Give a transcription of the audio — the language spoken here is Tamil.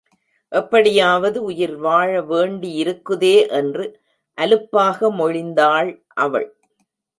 எப்படியாவது உயிர்வாழ வேண்டியிருக்குதே என்று அலுப்பாக மொழிந்தாள் அவள்.